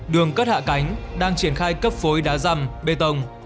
đường cất hạ cánh đang triển khai cấp phối đá răm bê tông